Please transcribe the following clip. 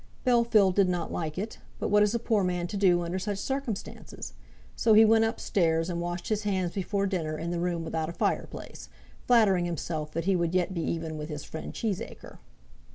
Bellfield did not like it; but what is a poor man to do under such circumstances? So he went up stairs and washed his hands before dinner in the room without a fire place, flattering himself that he would yet be even with his friend Cheesacre.